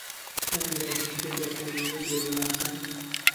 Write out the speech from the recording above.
یەکەم مرۆڤ بە پێێ لێکۆڵێنەوەی دێرین ناسان